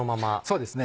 そうですね。